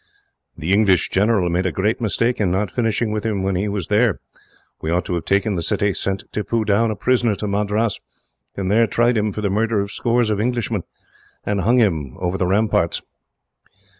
"The English general made a great mistake, in not finishing with him when he was there. We ought to have taken the city, sent Tippoo down a prisoner to Madras, and there tried him for the murder of scores of Englishmen, and hung him over the ramparts.